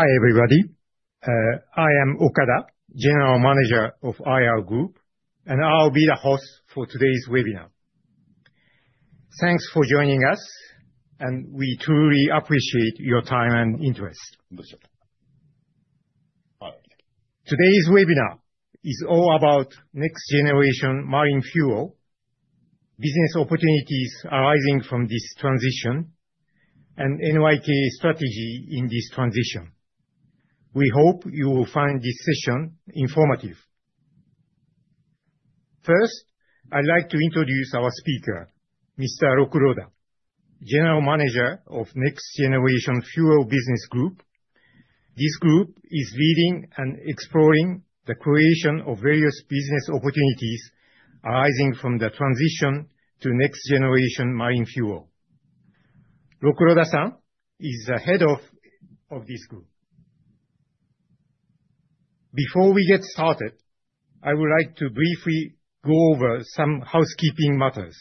Hi everybody. I am Okada, General Manager of IR Group, and I will be the host for today's webinar. Thanks for joining us, and we truly appreciate your time and interest. Today's webinar is all about next generation marine fuel, business opportunities arising from this transition, and NYK strategy in this transition. We hope you will find this session informative. First, I would like to introduce our speaker, Mr. Rokuroda, General Manager of Next Generation Fuel Business Group. This group is leading and exploring the creation of various business opportunities arising from the transition to next generation marine fuel. Rokuroda-san is the head of this group. Before we get started, I would like to briefly go over some housekeeping matters.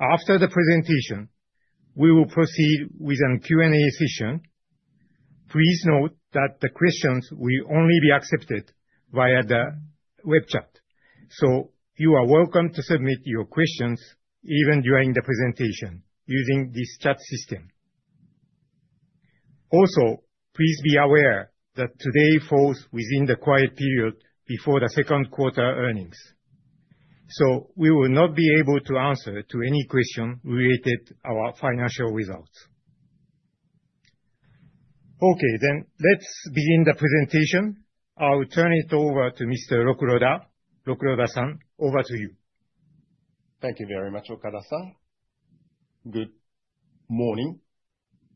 After the presentation, we will proceed with a Q&A session. Please note that the questions will only be accepted via the web chat. You are welcome to submit your questions even during the presentation using this chat system. Also, please be aware that today falls within the quiet period before the second quarter earnings. We will not be able to answer to any question related our financial results. Okay, then. Let's begin the presentation. I will turn it over to Mr. Rokuroda. Rokuroda-san, over to you. Thank you very much, Okada-san. Good morning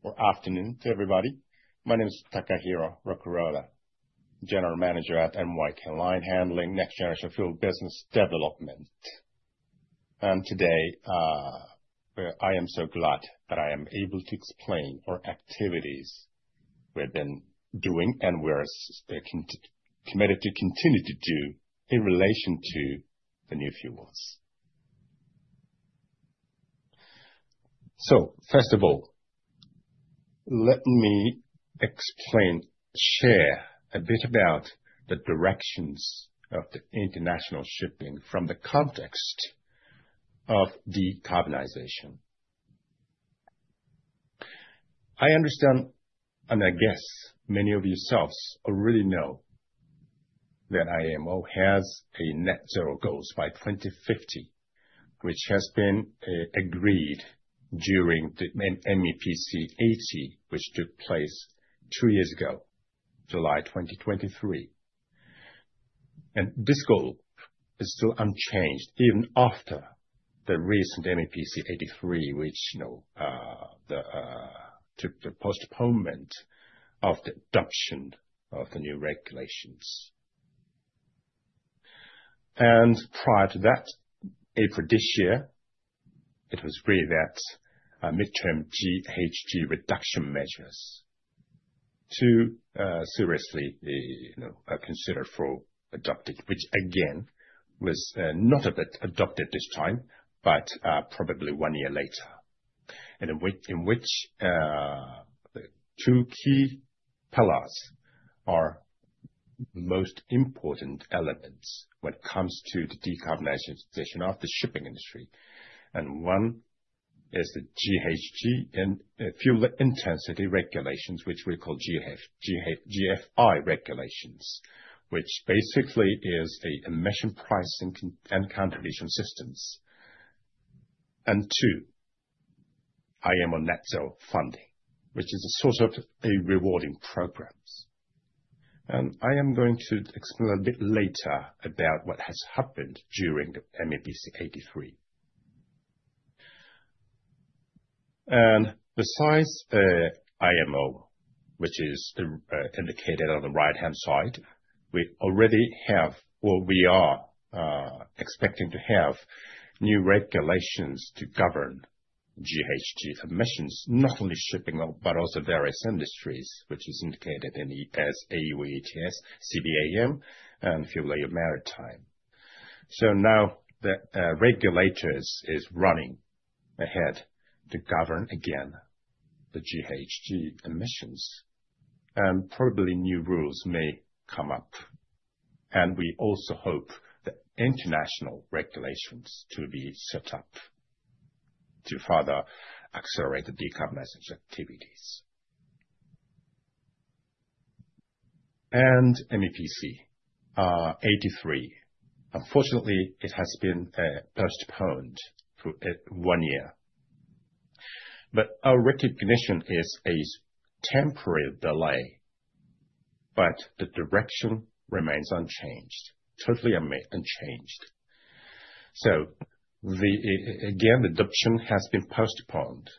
or afternoon to everybody. My name is Takahiro Rokuroda, General Manager at NYK Line Handling Next Generation Fuel Business Development. Today, I am so glad that I am able to explain our activities we've been doing, and we're committed to continue to do in relation to the new fuels. First of all, let me explain, share a bit about the directions of the international shipping from the context of decarbonization. I understand, and I guess many of yourselves already know that IMO has a net zero goals by 2050, which has been agreed during the MEPC 80, which took place two years ago, July 2023. This goal is still unchanged even after the recent MEPC 83, which took the postponement of the adoption of the new regulations. Prior to that, April this year, it was agreed that midterm GHG reduction measures to seriously consider for adopted, which again, was not a bit adopted this time, but probably one year later. In which the two key pillars are most important elements when it comes to the decarbonization station of the shipping industry, and one is the GHG and fuel intensity regulations, which we call GFI regulations, which basically is a emission pricing con and contribution systems. Two, IMO net zero funding, which is a sort of a rewarding programs. I am going to explain a bit later about what has happened during the MEPC 83. Besides IMO, which is indicated on the right-hand side, we already have, or we are expecting to have new regulations to govern GHG emissions, not only shipping, but also various industries, which is indicated in the ETS, EU ETS, CBAM, and FuelEU Maritime. Now the regulators is running ahead to govern again the GHG emissions, probably new rules may come up. We also hope that international regulations to be set up to further accelerate the decarbonization activities. MEPC 83. Unfortunately, it has been postponed for one year. Our recognition is a temporary delay, but the direction remains unchanged, totally unchanged. Again, the adoption has been postponed,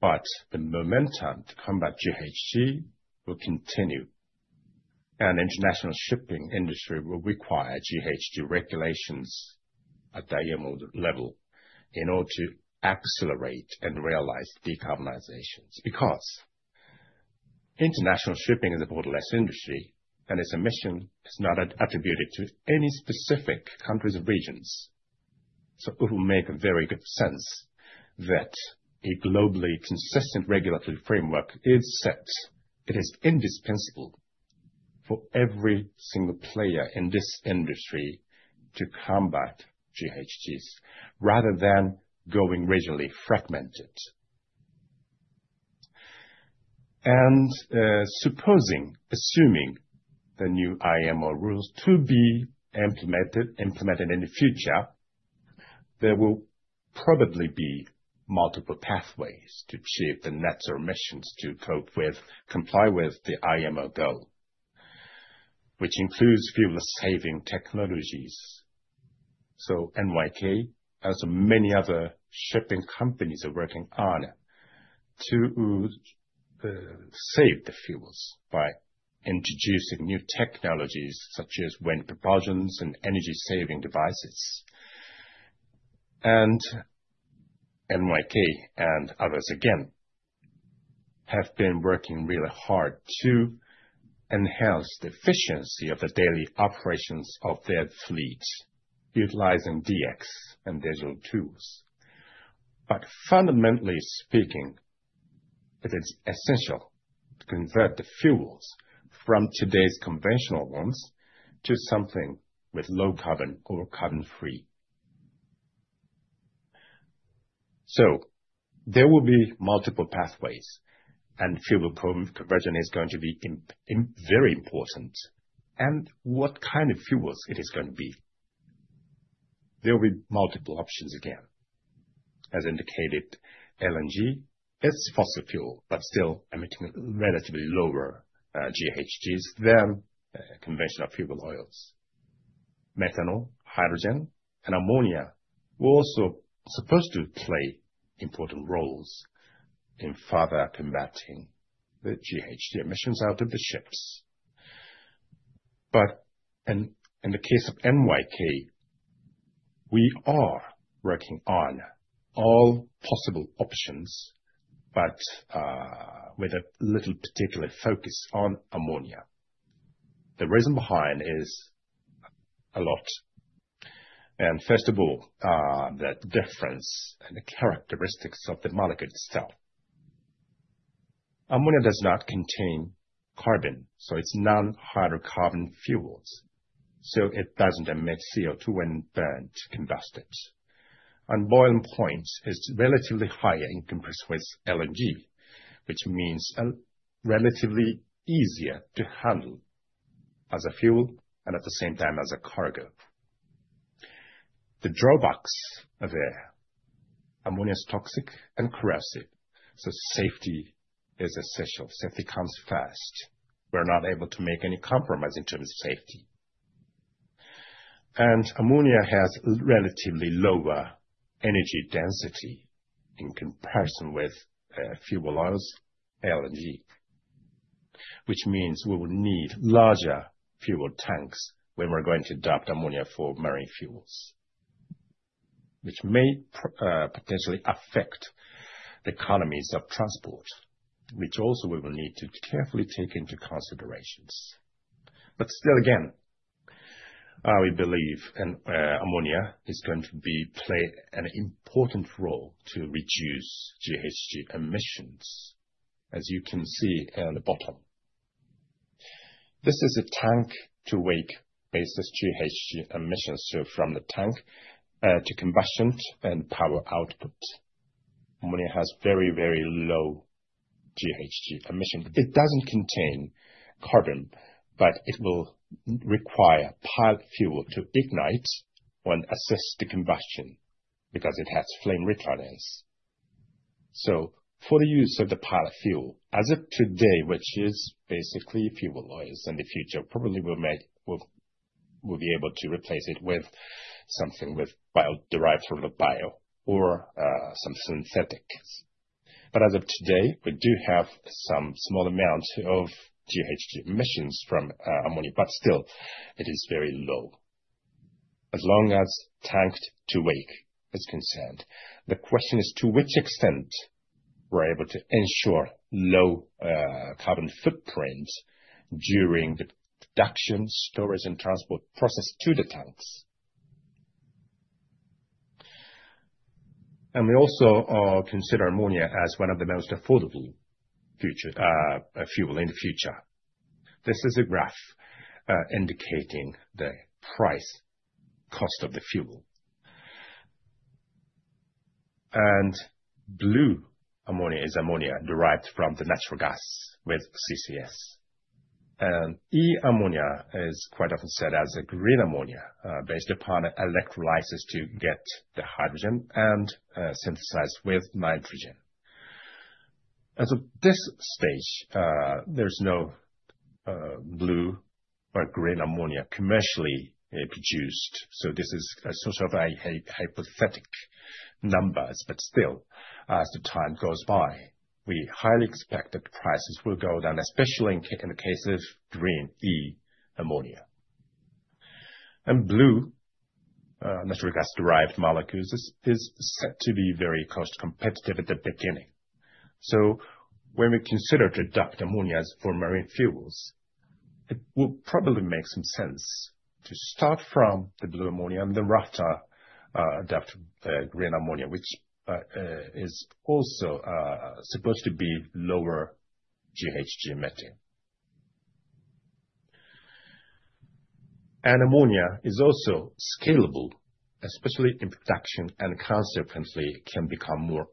but the momentum to combat GHG will continue. International shipping industry will require GHG regulations at IMO level in order to accelerate and realize decarbonizations, because international shipping is a borderless industry, and its emission is not attributed to any specific countries or regions. It will make very good sense that a globally consistent regulatory framework is set. It is indispensable for every single player in this industry to combat GHGs rather than going regionally fragmented. Assuming the new IMO rules to be implemented in the future, there will probably be multiple pathways to achieve the net zero emissions to comply with the IMO goal, which includes fuel-saving technologies. NYK, as many other shipping companies, are working hard to save the fuels by introducing new technologies such as wind proportions and energy-saving devices. NYK and others, again, have been working really hard to enhance the efficiency of the daily operations of their fleets, utilizing DX and digital tools. Fundamentally speaking, it is essential to convert the fuels from today's conventional ones to something with low carbon or carbon-free. There will be multiple pathways, and fuel conversion is going to be very important. What kind of fuels it is going to be? There will be multiple options, again. As indicated, LNG is fossil fuel, but still emitting relatively lower GHGs than conventional fuel oils. Methanol, hydrogen, and ammonia will also supposed to play important roles in further combating the GHG emissions out of the ships. In the case of NYK, we are working on all possible options, but with a little particular focus on ammonia. The reason behind is a lot. First of all, the difference in the characteristics of the molecule itself. Ammonia does not contain carbon, so it's non-hydrocarbon fuels. It doesn't emit CO2 when burnt, combusted. Boiling points is relatively higher in comparison with LNG, which means relatively easier to handle as a fuel and at the same time as a cargo. The drawbacks are there. Ammonia is toxic and corrosive, so safety is essential. Safety comes first. We're not able to make any compromise in terms of safety. Ammonia has relatively lower energy density in comparison with fuel oils, LNG, which means we will need larger fuel tanks when we're going to adopt ammonia for marine fuels, which may potentially affect the economies of transport, which also we will need to carefully take into considerations. Still, again, we believe ammonia is going to play an important role to reduce GHG emissions. As you can see at the bottom. This is a tank-to-wake basis GHG emissions. From the tank to combustion and power output. Ammonia has very low GHG emission. It doesn't contain carbon, but it will require pilot fuel to ignite when assess the combustion because it has flame retardance. For the use of the pilot fuel, as of today, which is basically fuel oils, in the future, probably we'll be able to replace it with something derived from the bio or some synthetic. As of today, we do have some small amount of GHG emissions from ammonia, but still, it is very low. As long as tank-to-wake is concerned, the question is to which extent we're able to ensure low carbon footprints during the production, storage, and transport process to the tanks. We also consider ammonia as one of the most affordable fuel in the future. This is a graph indicating the price cost of the fuel. Blue ammonia is ammonia derived from the natural gas with CCS. e-ammonia is quite often said as a green ammonia, based upon electrolysis to get the hydrogen and synthesize with nitrogen. As of this stage, there's no blue or green ammonia commercially produced, so this is a sort of a hypothetical numbers. Still, as the time goes by, we highly expect that the prices will go down, especially in the case of green e-ammonia. Blue natural gas-derived molecules is set to be very cost competitive at the beginning. When we consider to adopt ammonia for marine fuels, it will probably make some sense to start from the blue ammonia and then rather adapt green ammonia, which is also supposed to be lower GHG methane. Ammonia is also scalable, especially in production, and consequently can become more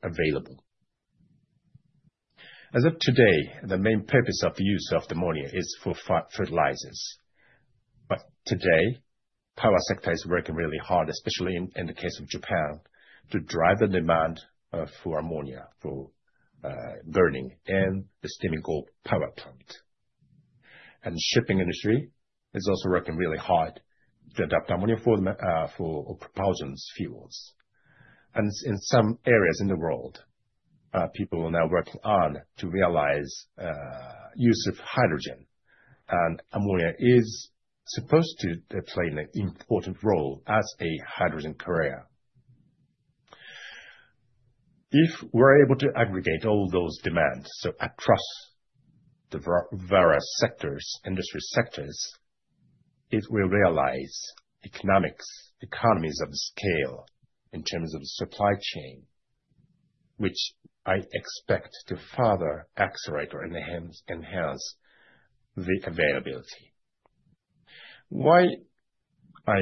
available. As of today, the main purpose of use of the ammonia is for fertilizers. Today, power sector is working really hard, especially in the case of Japan, to drive the demand for ammonia for burning in the steam and coal power plant. Shipping industry is also working really hard to adapt ammonia for propulsion fuels. In some areas in the world, people are now working on to realize use of hydrogen, and ammonia is supposed to play an important role as a hydrogen carrier. If we're able to aggregate all those demands, so across the various industry sectors, it will realize economies of scale in terms of the supply chain, which I expect to further accelerate or enhance the availability. Why I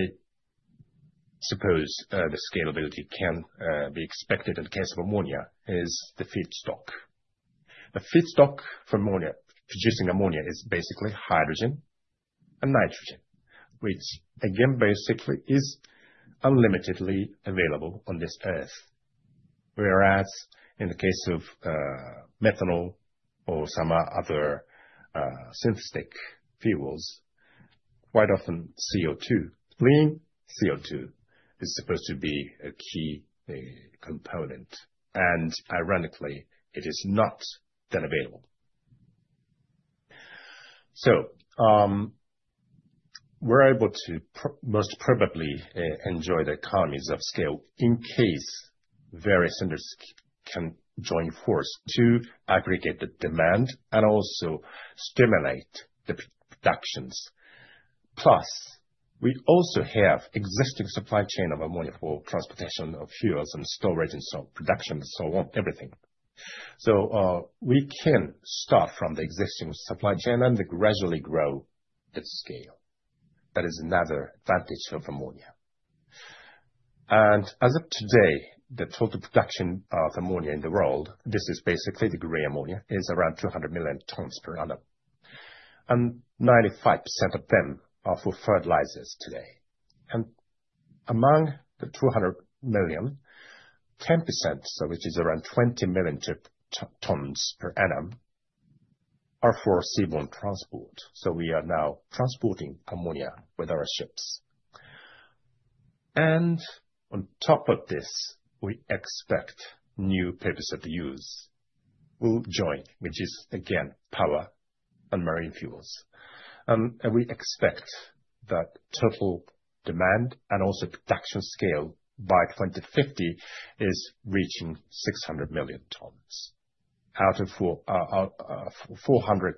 suppose the scalability can be expected in case of ammonia is the feedstock. The feedstock for producing ammonia is basically hydrogen and nitrogen, which again, basically is unlimitedly available on this earth. Whereas in the case of methanol or some other synthetic fuels, quite often cleaning CO2 is supposed to be a key component, and ironically it is not that available. We're able to most probably enjoy the economies of scale in case various industries can join force to aggregate the demand and also stimulate the productions. We also have existing supply chain of ammonia for transportation of fuels and storage and some production, so on, everything. We can start from the existing supply chain and gradually grow its scale. That is another advantage of ammonia. As of today, the total production of ammonia in the world, this is basically the gray ammonia, is around 200 million tons per annum. 95% of them are for fertilizers today. Among the 200 million, 10%, so which is around 20 million tons per annum, are for seaborne transport. We are now transporting ammonia with our ships. On top of this, we expect new purpose of the use will join, which is again, power and marine fuels. We expect that total demand and also production scale by 2050 is reaching 600 million tons, 400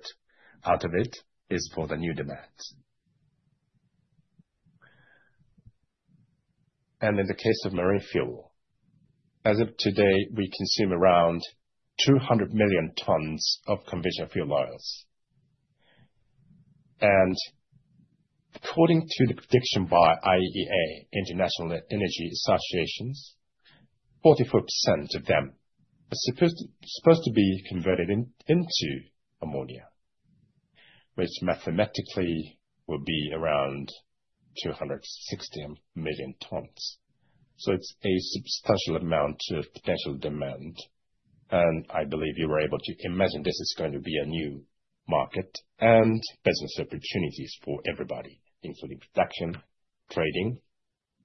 out of it is for the new demands. In the case of marine fuel, as of today, we consume around 200 million tons of conventional fuel oils. According to the prediction by IEA, International Energy Agency, 44% of them are supposed to be converted into ammonia, which mathematically will be around 260 million tons. It's a substantial amount of potential demand, and I believe you were able to imagine this is going to be a new market and business opportunities for everybody, including production, trading,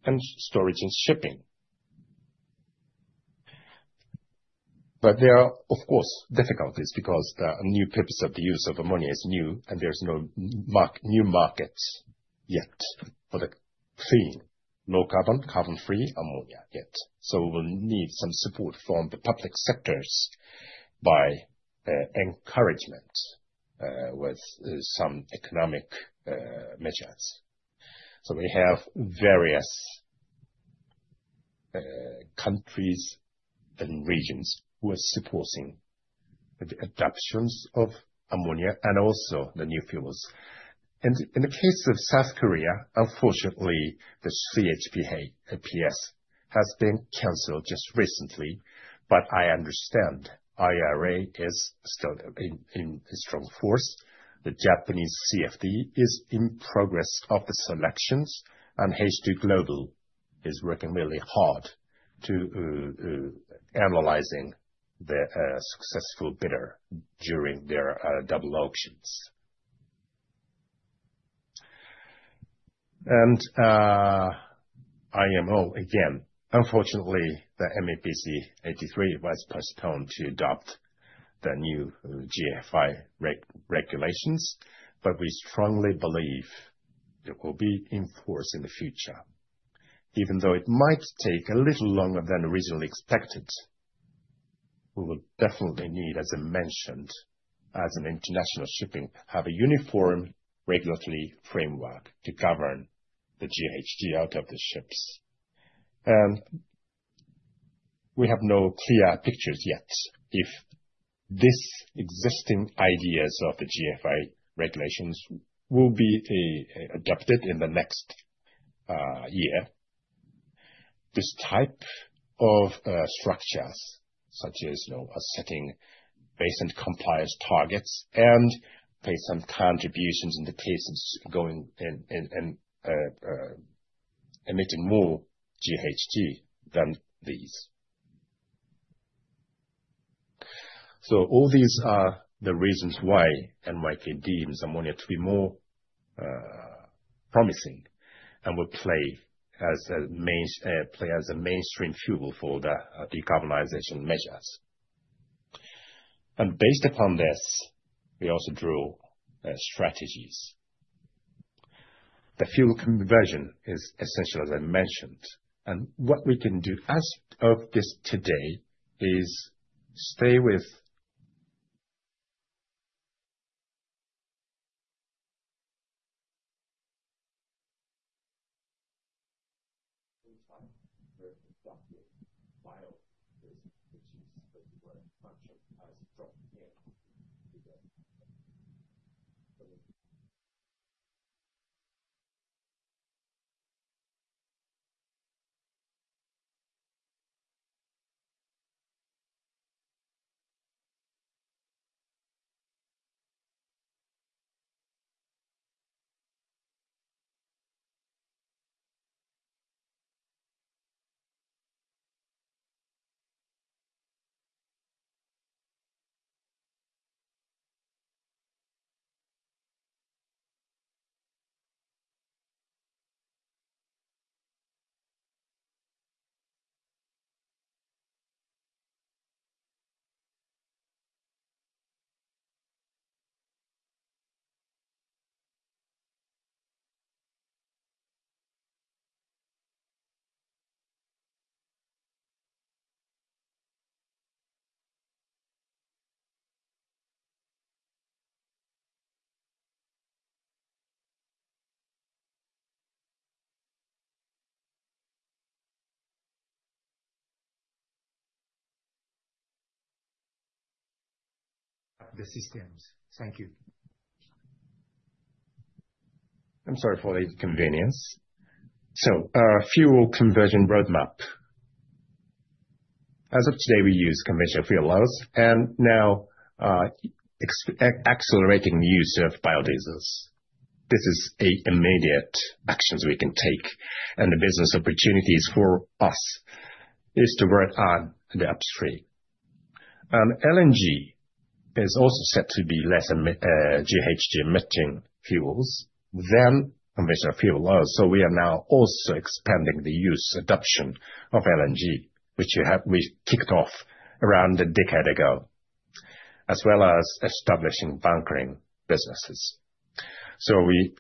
and storage and shipping. There are, of course, difficulties because the new purpose of the use of ammonia is new and there's no new market yet for the clean, low-carbon, carbon-free ammonia yet. We'll need some support from the public sectors by encouragement, with some economic measures. We have various countries and regions who are supporting the adoptions of ammonia and also the new fuels. In the case of South Korea, unfortunately, the CHPS has been canceled just recently, but I understand IRA is still in strong force. The Japanese CfD is in progress of the selections, H2Global is working really hard to analyzing the successful bidder during their double auction. IMO, again, unfortunately, the MEPC 83 was postponed to adopt the new GFI regulations, we strongly believe they will be in force in the future, even though it might take a little longer than originally expected. We will definitely need, as I mentioned, as an international shipping, have a uniform regulatory framework to govern the GHG out of the ships. We have no clear pictures yet if these existing ideas of the GFI regulations will be adopted in the next year. This type of structures, such as setting baseline compliance targets and based on contributions in the cases going and emitting more GHG than these. All these are the reasons why NYK deems ammonia to be more promising and will play as a mainstream fuel for the decarbonization measures. Based upon this, we also draw strategies. The fuel conversion is essential, as I mentioned. What we can do as of today is In time for adopting biodiesel, which is what you want, bunch of as drop-in -the systems. Thank you. I'm sorry for the inconvenience. Fuel conversion roadmap. As of today, we use conventional fuel oils, and now accelerating the use of biodiesels. This is immediate actions we can take, and the business opportunities for us is to work on the upstream. LNG is also set to be less GHG-emitting fuels than conventional fuel oils, we are now also expanding the use adoption of LNG, which we kicked off around a decade ago, as well as establishing bunkering businesses. We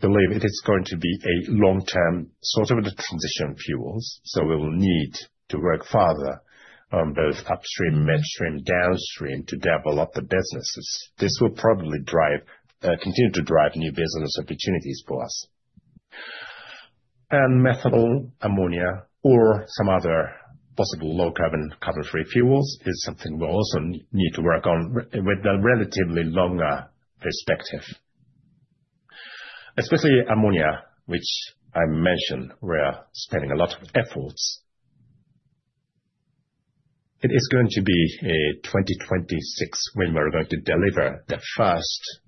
believe it is going to be a long-term sort of transition fuels. We will need to work farther on both upstream, midstream, downstream to develop the businesses. This will probably continue to drive new business opportunities for us. Methanol, ammonia, or some other possible low-carbon, carbon-free fuels is something we also need to work on with a relatively longer perspective. Especially ammonia, which I mentioned, we are spending a lot of efforts. It is going to be 2026 when we're going to deliver the first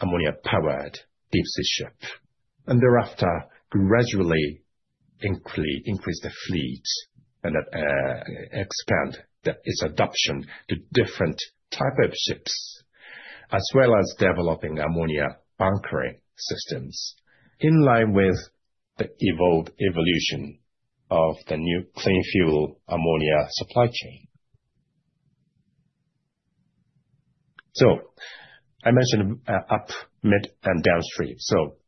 ammonia-powered deep-sea ship, thereafter, gradually increase the fleet and expand its adoption to different type of ships, as well as developing ammonia bunkering systems in line with the evolved evolution of the new clean fuel ammonia supply chain. I mentioned up, mid, and downstream.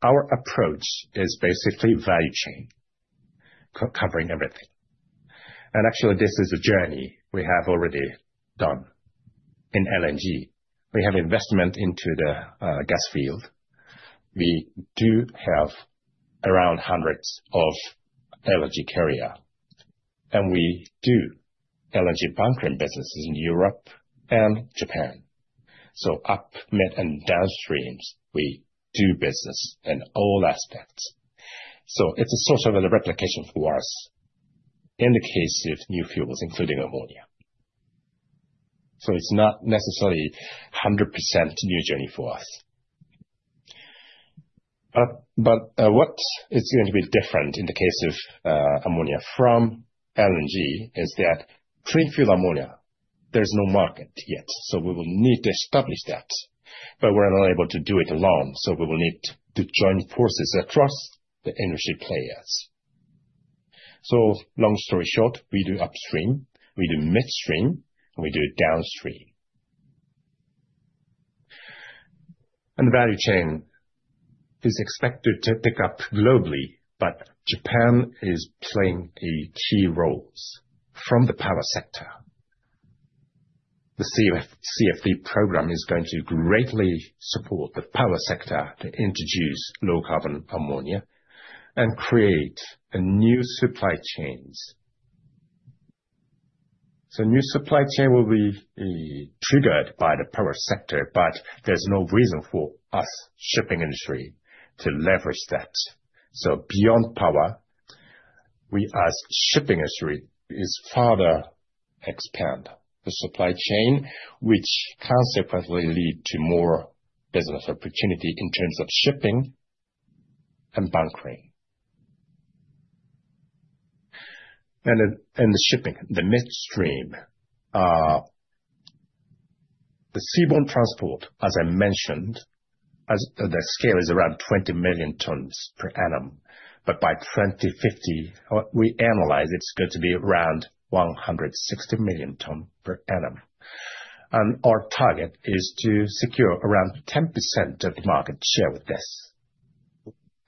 Our approach is basically value chain, covering everything. Actually, this is a journey we have already done in LNG. We have investment into the gas field. We do have around hundreds of LNG carrier, and we do LNG bunkering businesses in Europe and Japan. Up, mid, and downstreams, we do business in all aspects. It's a sort of a replication for us in the case of new fuels, including ammonia. It's not necessarily 100% new journey for us. What is going to be different in the case of ammonia from LNG is that clean fuel ammonia, there's no market yet, we will need to establish that. We're unable to do it alone, we will need to join forces across the energy players. Long story short, we do upstream, we do midstream, and we do downstream. The value chain is expected to pick up globally, but Japan is playing a key role from the power sector. The CfD program is going to greatly support the power sector to introduce low-carbon ammonia and create new supply chains. The new supply chain will be triggered by the power sector, but there's no reason for us, shipping industry, to leverage that. Beyond power, we as shipping industry, is farther expand the supply chain, which consequently lead to more business opportunity in terms of shipping and bunkering. The shipping, the midstream. The seaborne transport, as I mentioned, the scale is around 20 million tons per annum, but by 2050, we analyze it's going to be around 160 million ton per annum. Our target is to secure around 10% of the market share with this.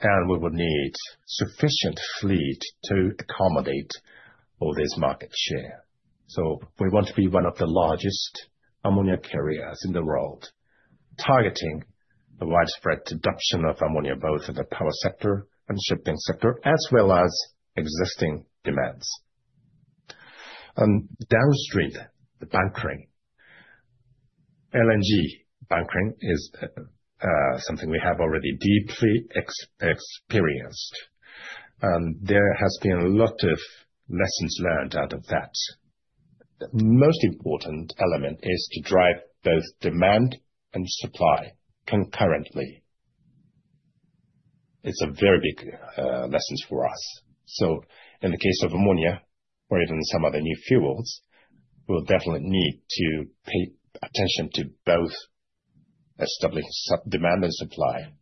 We will need sufficient fleet to accommodate all this market share. We want to be one of the largest ammonia carriers in the world, targeting the widespread adoption of ammonia, both in the power sector and shipping sector, as well as existing demands. On downstream, the bunkering. LNG bunkering is something we have already deeply experienced. There has been a lot of lessons learned out of that. Most important element is to drive both demand and supply concurrently. It's a very big lesson for us. In the case of ammonia, or even some other new fuels, we'll definitely need to pay attention to both establishing demand and supply.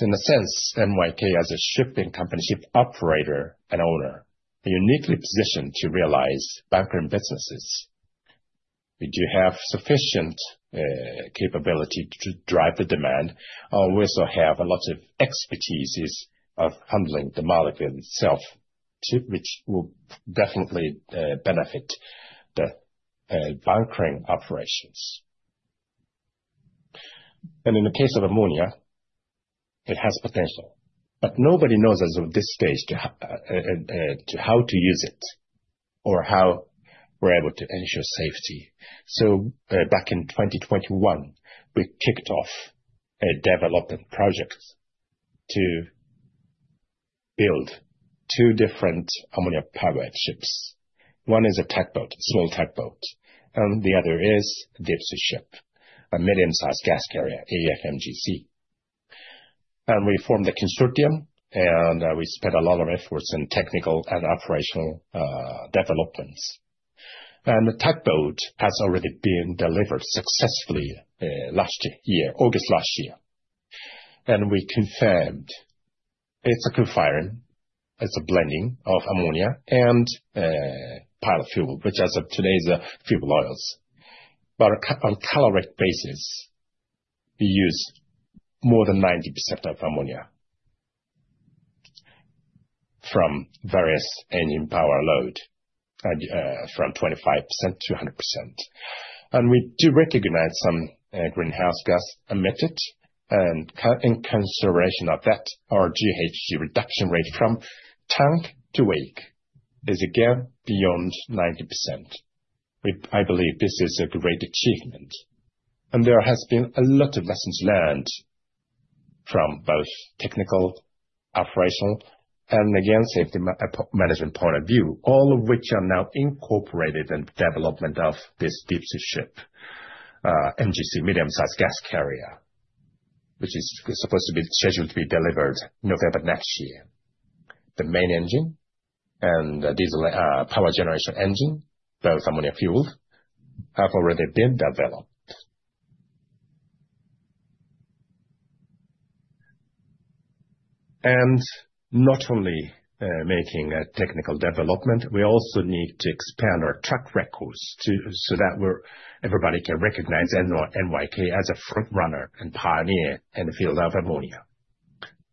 In a sense, NYK as a shipping company, ship operator and owner, are uniquely positioned to realize bunkering businesses. We do have sufficient capability to drive the demand. We also have a lot of expertises of handling the molecule itself too, which will definitely benefit the bunkering operations. In the case of ammonia, it has potential, but nobody knows as of this stage how to use it or how we're able to ensure safety. Back in 2021, we kicked off a development project to build two different ammonia powered ships. One is a tugboat, small tugboat, and the other is a deep sea ship, a medium-sized gas carrier, a MGC. We formed the consortium, and we spent a lot of efforts in technical and operational developments. The tugboat has already been delivered successfully last year, August last year. We confirmed it's a co-firing. It's a blending of ammonia and pilot fuel, which as of today is a fuel oils. On caloric basis, we use more than 90% of ammonia from various engine power load, from 25%-100%. We do recognize some greenhouse gas emitted and in consideration of that, our GHG reduction rate from tank-to-wake is again beyond 90%. I believe this is a great achievement. There has been a lot of lessons learned from both technical, operational, and again, safety management point of view, all of which are now incorporated in development of this deep sea ship, MGC, medium size gas carrier, which is supposed to be scheduled to be delivered November next year. The main engine and diesel power generation engine, both ammonia fueled, have already been developed. Not only making a technical development, we also need to expand our track records so that everybody can recognize NYK as a front runner and pioneer in the field of ammonia.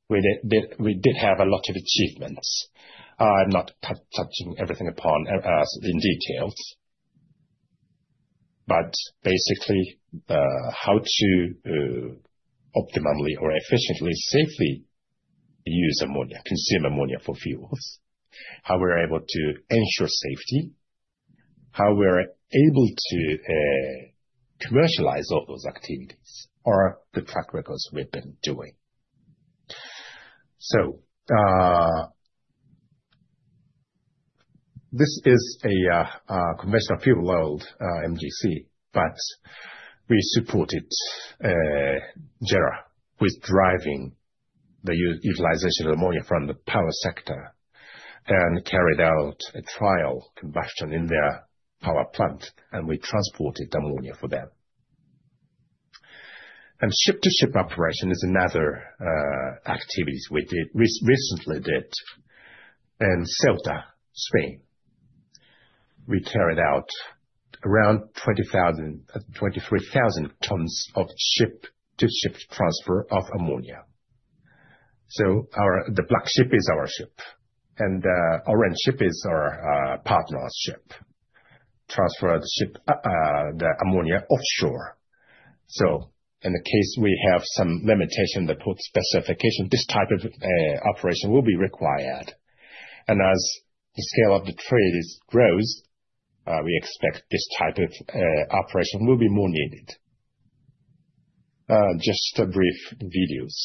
We did have a lot of achievements. I'm not touching everything upon as in details, but basically, how to optimally or efficiently, safely use ammonia, consume ammonia for fuels. How we are able to ensure safety. How we are able to commercialize all those activities are the track records we've been doing. This is a conventional fuel-oil, MGC, but we supported JERA with driving the utilization of ammonia from the power sector and carried out a trial combustion in their power plant, and we transported ammonia for them. Ship-to-ship operation is another activity we recently did in Ceuta, Spain. We carried out around 23,000 tons of ship-to-ship transfer of ammonia. The black ship is our ship, and the orange ship is our partner ship. Transfer the ammonia offshore. In the case we have some limitation, the port specification, this type of operation will be required. As the scale of the trade grows, we expect this type of operation will be more needed. Just a brief videos.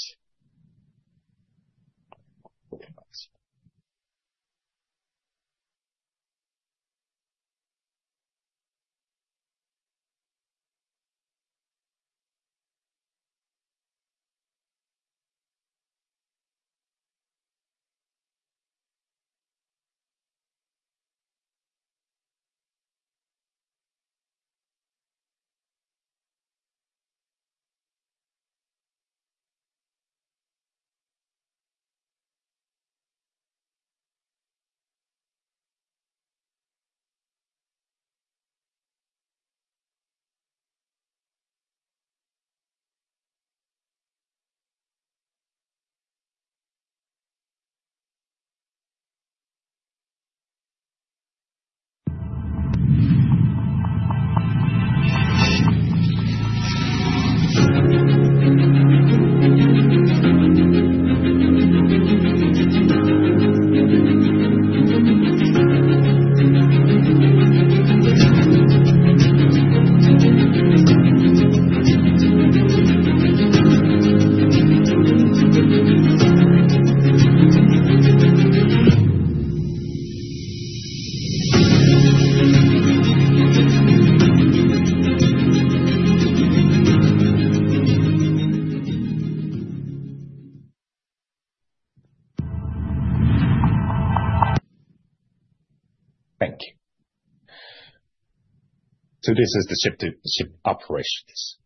Thank you. This is the ship-to-ship operations.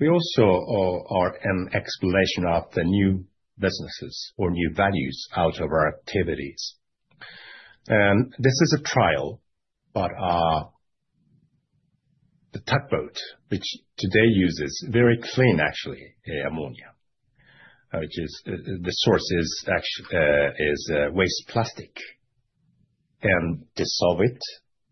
We also are an explanation of the new businesses or new values out of our activities. This is a trial, the tugboat, which today uses very clean actually, ammonia, which the source is waste plastic, and dissolve it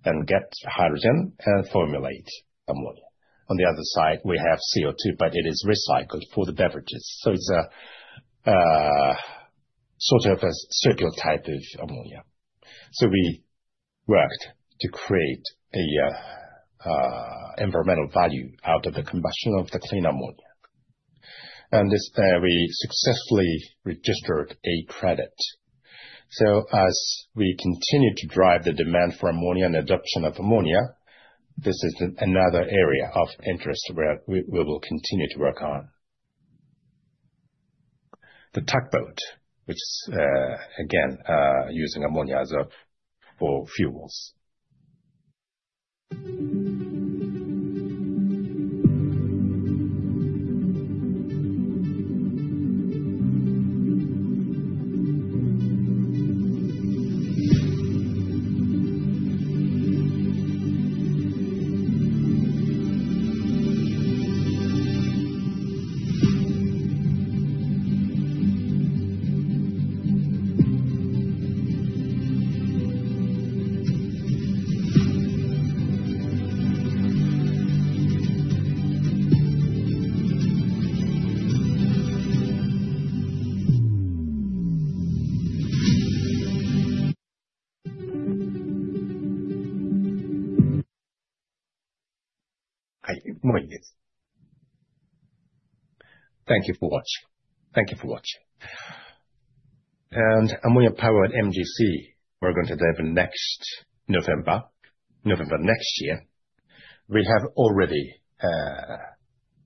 and get hydrogen and formulate ammonia. On the other side, we have CO2, but it is recycled for the beverages. It's a sort of a circular type of ammonia. We worked to create an environmental value out of the combustion of the clean ammonia. On this we successfully registered a credit. As we continue to drive the demand for ammonia and adoption of ammonia, this is another area of interest where we will continue to work on. The tugboat, which, again, using ammonia as a for fuels. Thank you for watching. Ammonia Powered MGC, we're going to deliver November next year. We have already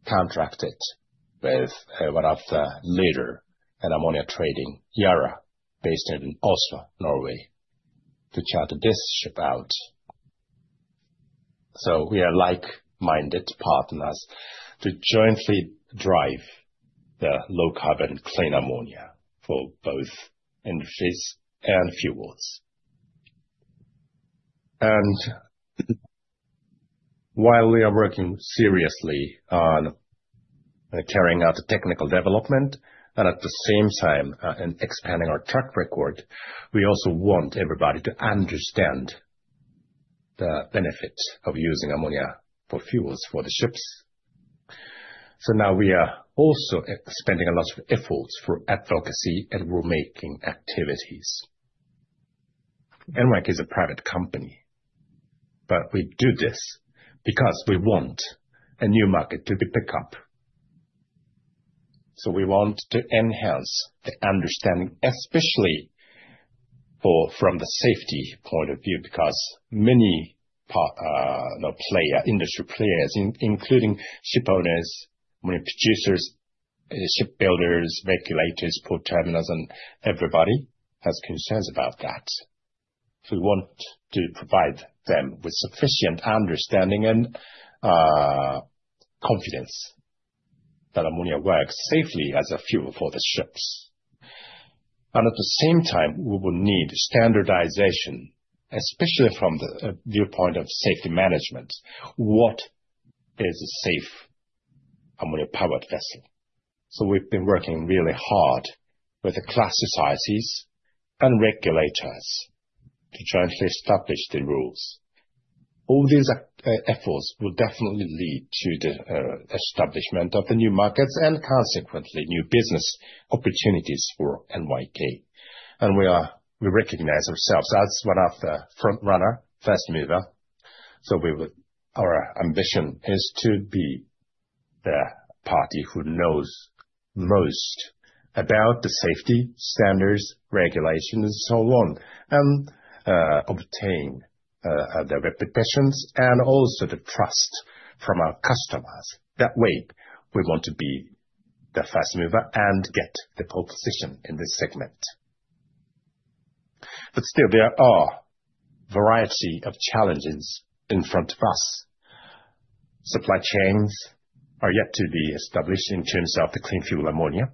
contracted with one of the leader in ammonia trading, Yara, based in Oslo, Norway, to charter this ship out. We are like-minded partners to jointly drive the low-carbon clean ammonia for both industries and fuels. While we are working seriously on carrying out the technical development and at the same time, and expanding our track record, we also want everybody to understand the benefit of using ammonia for fuels for the ships. Now we are also spending a lot of efforts for advocacy and rule-making activities. NYK is a private company, but we do this because we want a new market to be pick up. We want to enhance the understanding, especially from the safety point of view, because many industry players, including ship owners, marine producers, ship builders, regulators, port terminals, and everybody has concerns about that. We want to provide them with sufficient understanding and confidence That ammonia works safely as a fuel for the ships. At the same time, we will need standardization, especially from the viewpoint of safety management, what is a safe ammonia-powered vessel? We've been working really hard with the class societies and regulators to jointly establish the rules. All these efforts will definitely lead to the establishment of the new markets and consequently, new business opportunities for NYK. We recognize ourselves as one of the frontrunner, first mover. Our ambition is to be the party who knows most about the safety standards, regulations, and so on, and obtain the reputations and also the trust from our customers. That way, we want to be the first mover and get the pole position in this segment. Still, there are a variety of challenges in front of us. Supply chains are yet to be established in terms of the clean fuel ammonia.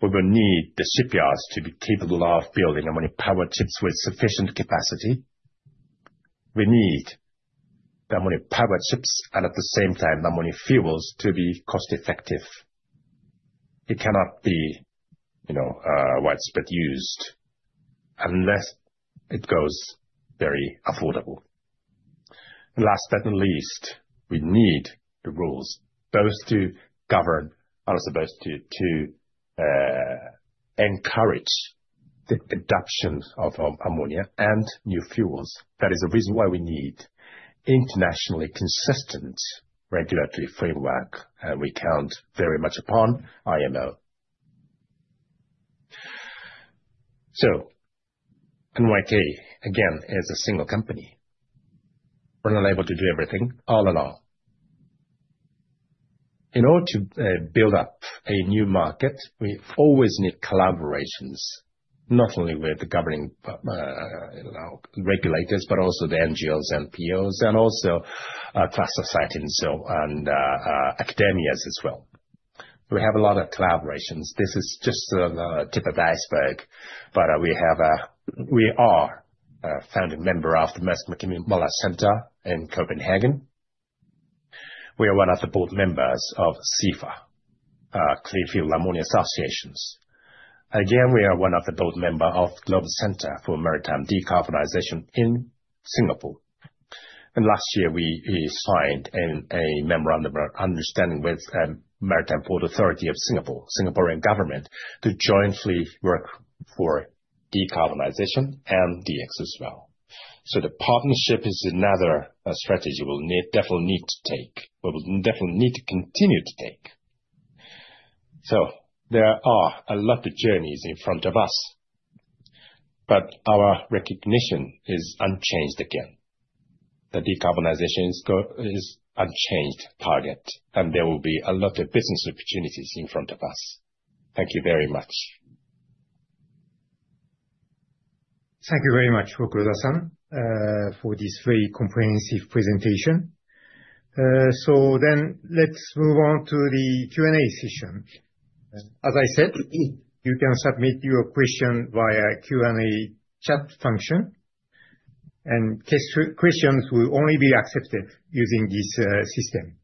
We will need the shipyards to be capable of building ammonia-powered ships with sufficient capacity. We need the ammonia-powered ships, and at the same time, ammonia fuels to be cost-effective. It cannot be widespread used unless it goes very affordable. Last but not least, we need the rules, both to govern and supposed to encourage the adoption of ammonia and new fuels. That is the reason why we need internationally consistent regulatory framework, and we count very much upon IMO. NYK, again, is a single company. We're not able to do everything all along. In order to build up a new market, we always need collaborations, not only with the governing regulators, but also the NGOs, NPOs, and also class society and so on, academias as well. We have a lot of collaborations. This is just the tip of the iceberg, but we are a founding member of the Mærsk Mc-Kinney Møller Center in Copenhagen. We are one of the board members of CFAA, Clean Fuel Ammonia Association. Again, we are one of the board members of Global Center for Maritime Decarbonization in Singapore. Last year, we signed a memorandum of understanding with Maritime Port Authority of Singapore, Singaporean government, to jointly work for decarbonization and DX as well. The partnership is another strategy we'll definitely need to continue to take. There are a lot of journeys in front of us, but our recognition is unchanged again. The decarbonization score is unchanged target, and there will be a lot of business opportunities in front of us. Thank you very much. Thank you very much, Rokuroda-san, for this very comprehensive presentation. Let's move on to the Q&A session. As I said, you can submit your question via Q&A chat function, and questions will only be accepted using this system.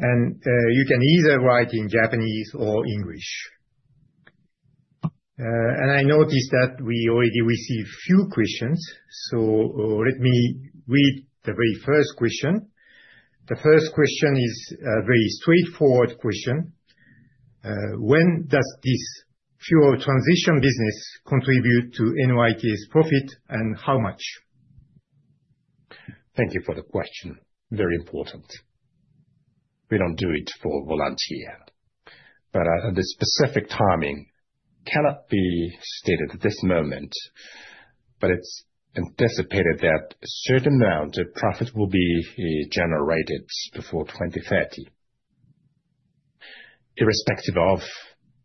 You can either write in Japanese or English. I noticed that we already received few questions, so let me read the very first question. The first question is a very straightforward question. When does this fuel transition business contribute to NYK's profit and how much? Thank you for the question. Very important. We don't do it for volunteer, but the specific timing cannot be stated at this moment, but it's anticipated that a certain amount of profit will be generated before 2030, irrespective of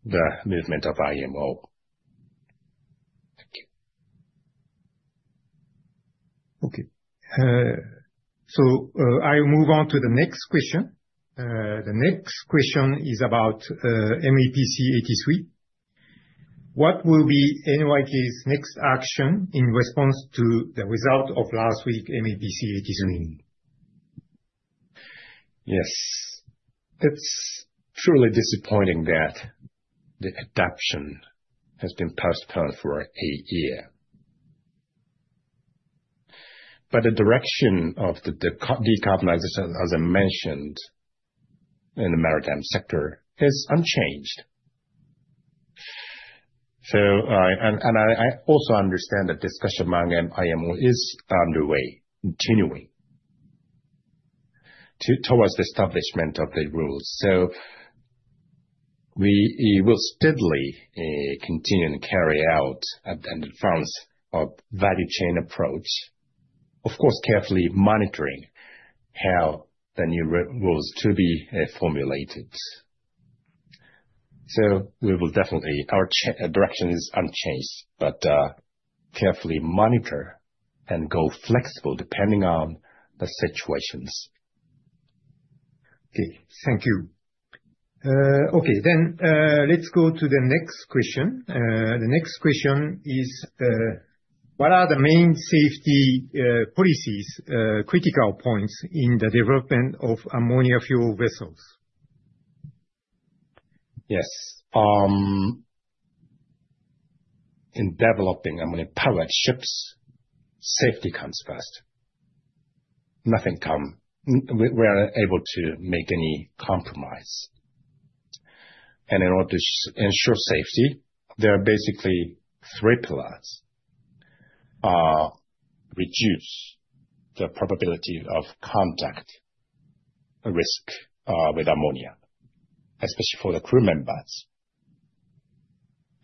the movement of IMO. Thank you. Okay. I'll move on to the next question. The next question is about MEPC 83. What will be NYK's next action in response to the result of last week MEPC 83 meeting? Yes. It's truly disappointing that the adoption has been postponed for a year. The direction of the decarbonization, as I mentioned, in the maritime sector, is unchanged. I also understand the discussion among IMO is underway, continuing towards the establishment of the rules. We will steadily continue to carry out and advance our value chain approach, of course, carefully monitoring how the new rules to be formulated. We will definitely, our direction is unchanged, but carefully monitor and go flexible depending on the situations. Okay, thank you. Let's go to the next question. The next question is, what are the main safety policies, critical points in the development of ammonia fuel vessels? Yes. In developing ammonia powered ships, safety comes first. We are able to make any compromise. In order to ensure safety, there are basically three pillars. Reduce the probability of contact risk, with ammonia, especially for the crew members.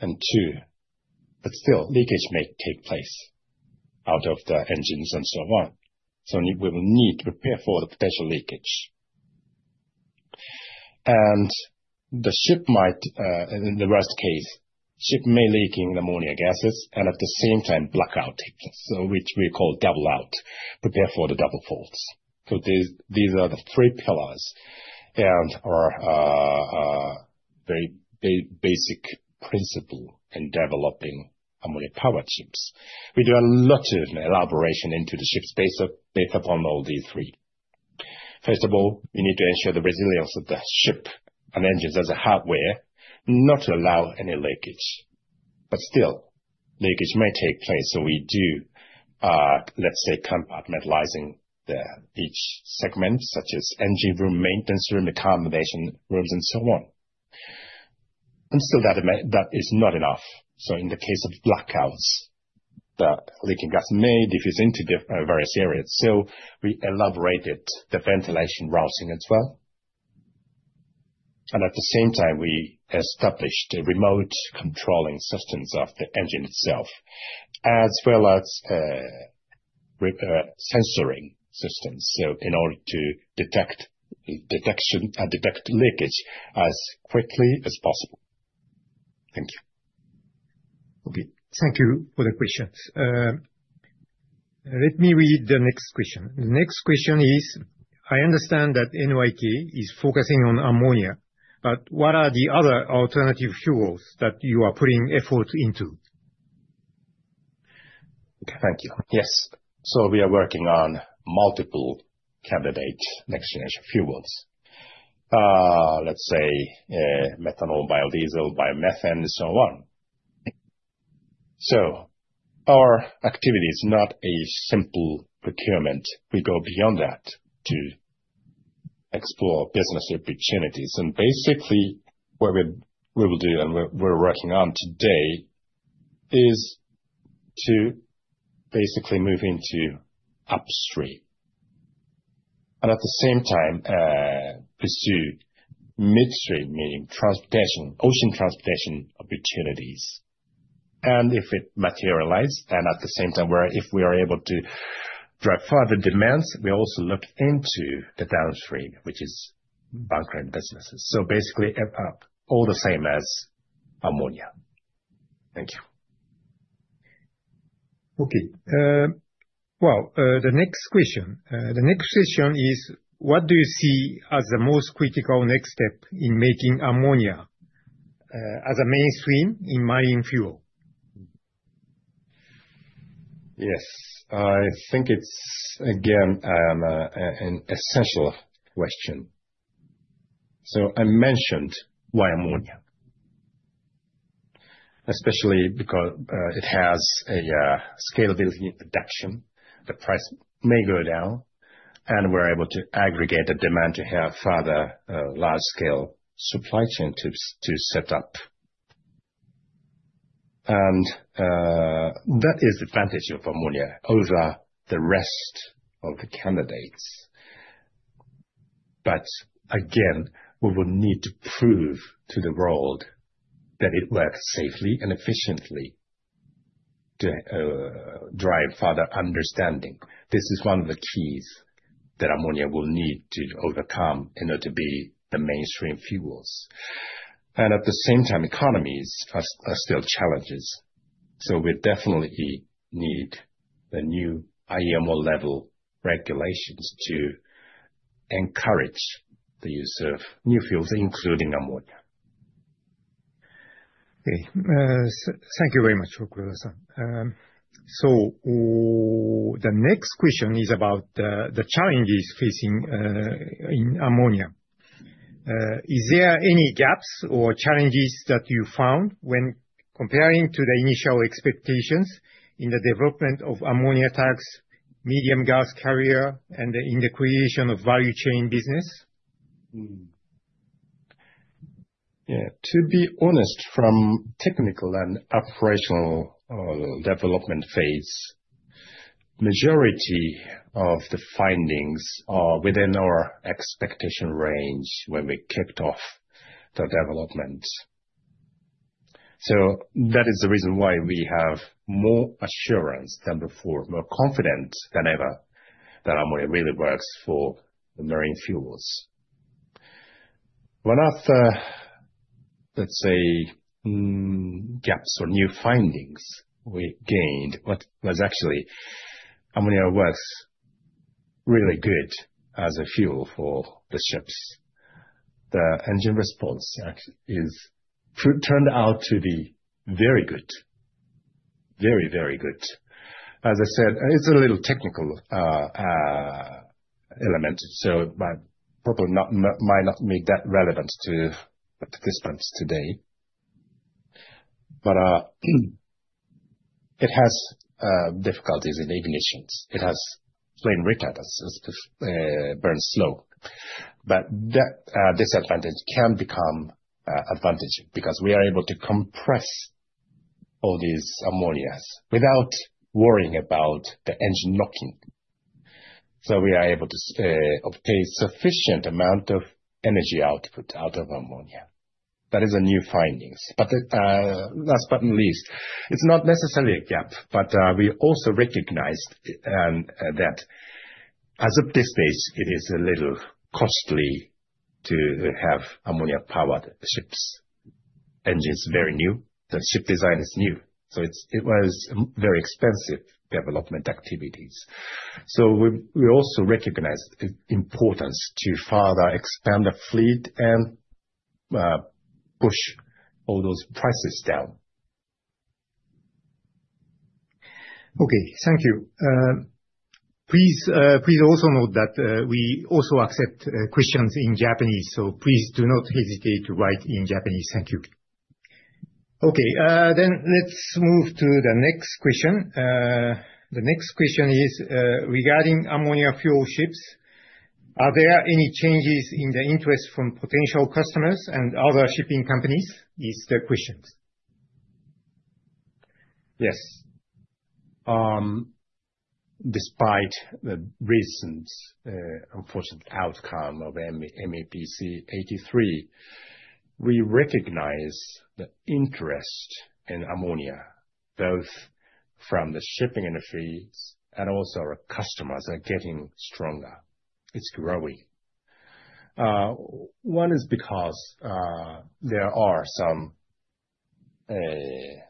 Two, but still, leakage may take place out of the engines and so on. We will need to prepare for the potential leakage. The ship might, in the worst case, ship may leaking ammonia gases and at the same time blackout, which we call double fault, prepare for the double fault. These are the three pillars and are very basic principle in developing ammonia powered ships. We do a lot of elaboration into the ships based upon all these three. First of all, we need to ensure the resilience of the ship and engines as a hardware, not to allow any leakage. Still, leakage may take place, we do, let's say, compartmentalizing the each segment, such as engine room, maintenance room, accommodation rooms, and so on. Still that is not enough. In the case of blackouts, the leaking gas may diffuse into the various areas. We elaborated the ventilation routing as well. At the same time, we established remote controlling systems of the engine itself, as well as sensoring systems, in order to detect leakage as quickly as possible. Thank you. Okay. Thank you for the questions. Let me read the next question. The next question is, I understand that NYK is focusing on ammonia, but what are the other alternative fuels that you are putting effort into? Thank you. Yes. We are working on multiple candidate next generation fuels. Let's say, methanol, biodiesel, biomethane, and so on. Our activity is not a simple procurement. We go beyond that to explore business opportunities. Basically, what we will do and we're working on today is to basically move into upstream. At the same time, pursue midstream, meaning transportation, ocean transportation opportunities. If it materializes, and at the same time, if we are able to drive further demands, we also look into the downstream, which is bunkering businesses. Basically, all the same as ammonia. Thank you. Okay. Well, the next question. The next question is, what do you see as the most critical next step in making ammonia, as a mainstream in marine fuel? Yes. I think it's again, an essential question. I mentioned why ammonia. Especially because it has a scalability in production, the price may go down, and we're able to aggregate the demand to have further large scale supply chain to set up. That is the advantage of ammonia over the rest of the candidates. Again, we would need to prove to the world that it works safely and efficiently to drive further understanding. This is one of the keys that ammonia will need to overcome in order to be the mainstream fuels. At the same time, economies are still challenges. We definitely need the new IMO level regulations to encourage the use of new fuels, including ammonia. Okay. Thank you very much, Okuda-san. The next question is about the challenges facing in ammonia. Is there any gaps or challenges that you found when comparing to the initial expectations in the development of ammonia tanks, medium gas carrier, and in the creation of value chain business? To be honest, from technical and operational development phase, majority of the findings are within our expectation range when we kicked off the development. That is the reason why we have more assurance than before, more confident than ever, that ammonia really works for the marine fuels. One of the, let's say, gaps or new findings we gained, was actually, ammonia works really good as a fuel for the ships. The engine response turned out to be very good. Very, very good. As I said, and it's a little technical element, so might not make that relevant to the participants today. It has difficulties in ignitions. It has flame retardance, it burns slow. This advantage can become advantage because we are able to compress all these ammonias without worrying about the engine knocking. We are able to obtain sufficient amount of energy output out of ammonia. That is a new findings. Last but not least, it's not necessarily a gap, but we also recognized that as of this phase, it is a little costly to have ammonia-powered ships. Engine's very new, the ship design is new, it was very expensive development activities. We also recognize the importance to further expand the fleet and push all those prices down. Okay. Thank you. Please also note that we also accept questions in Japanese, please do not hesitate to write in Japanese. Thank you. Okay, let's move to the next question. The next question is, regarding ammonia fuel ships, are there any changes in the interest from potential customers and other shipping companies? Is the question. Yes. Despite the recent unfortunate outcome of MEPC 83, we recognize the interest in ammonia, both from the shipping industry and also our customers are getting stronger. It's growing. One is because there are some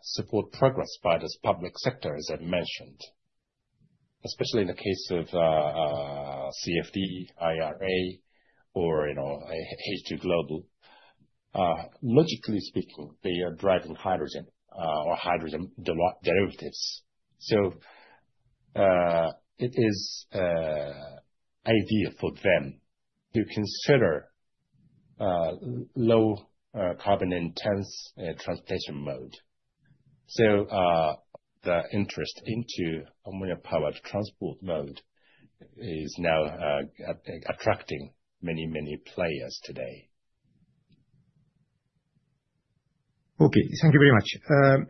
support progress by those public sectors I've mentioned, especially in the case of CfD, IRA, or H2Global. Logically speaking, they are driving hydrogen or hydrogen derivatives. It is ideal for them to consider low carbon intense transportation mode. The interest into ammonia-powered transport mode is now attracting many, many players today. Okay. Thank you very much.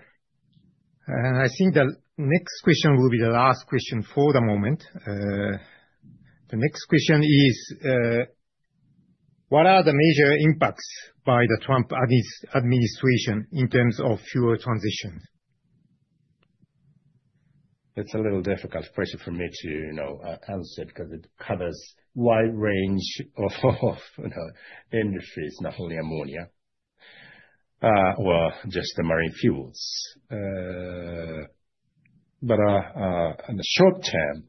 I think the next question will be the last question for the moment. The next question is, what are the major impacts by the Trump administration in terms of fuel transitions? It's a little difficult question for me to answer because it covers wide range of industries, not only ammonia, or just the marine fuels. In the short term,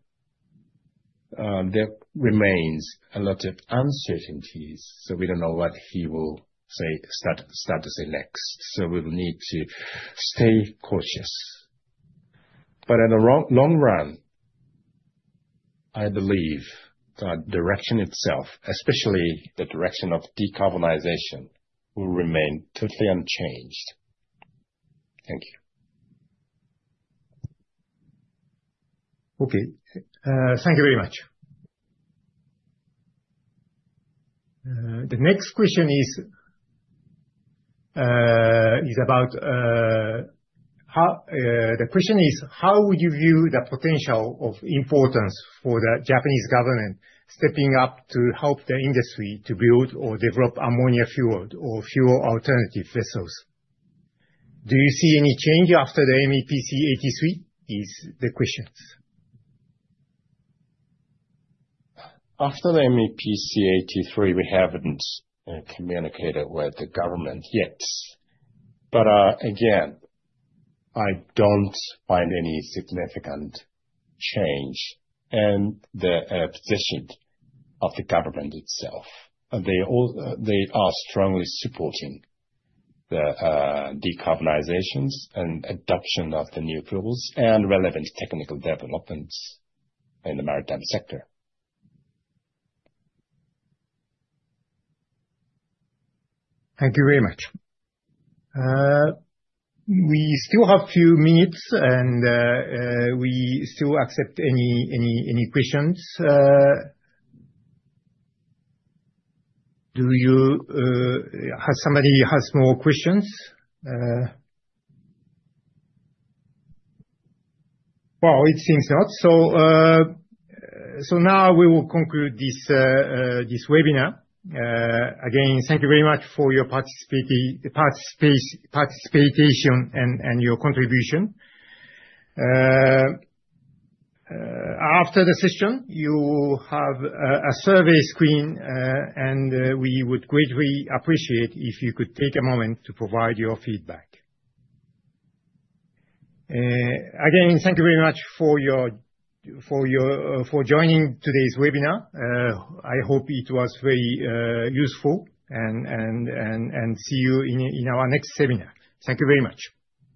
there remains a lot of uncertainties, we don't know what he will start to say next. We will need to stay cautious. In the long run, I believe the direction itself, especially the direction of decarbonization, will remain totally unchanged. Thank you. Okay. Thank you very much. The next question is about how would you view the potential of importance for the Japanese government stepping up to help the industry to build or develop ammonia fueled or fuel alternative vessels? Do you see any change after the MEPC 83? Is the question. After the MEPC 83, we haven't communicated with the government yet. Again, I don't find any significant change in the position of the government itself. They are strongly supporting the decarbonizations and adoption of the new fuels, and relevant technical developments in the maritime sector. Thank you very much. We still have few minutes and we still accept any questions. Do you have somebody who has more questions? It seems not. Now we will conclude this webinar. Again, thank you very much for your participation and your contribution. After the session, you will have a survey screen, and we would greatly appreciate if you could take a moment to provide your feedback. Again, thank you very much for joining today's webinar. I hope it was very useful and see you in our next seminar. Thank you very much.